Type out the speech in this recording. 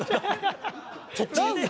そっち？